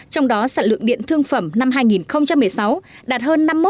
trong đó sản lượng điện thương phẩm năm hai nghìn một mươi sáu đạt hơn năm mươi một một tỷ kwh